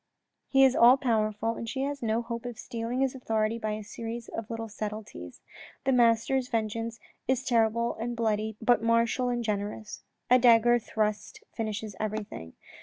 He is all powerful and she has no hope of stealing his authority by a series of little subtleties. The master's vengeance is terrible and bloody but martial and generous ; a dagger thrust finishes everything.